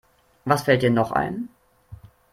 Was fällt dir noch ein?